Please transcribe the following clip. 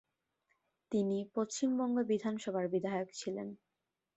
তিনি পশ্চিমবঙ্গ বিধানসভার বিধায়ক ছিলেন।